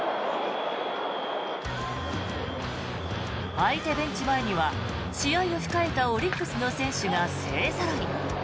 相手ベンチ前には試合を控えたオリックスの選手が勢ぞろい。